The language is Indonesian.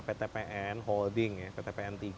ptpn holding ya ptpn